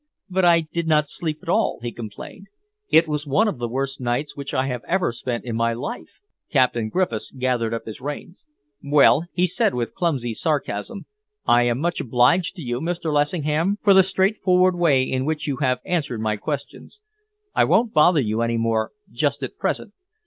"But I did not sleep at all," he complained. "It was one of the worst nights which I have ever spent in my life." Captain Griffiths gathered up his reins. "Well," he said with clumsy sarcasm, "I am much obliged to you, Mr. Lessingham, for the straight forward way in which you have answered my questions. I won't bother you any more just at present.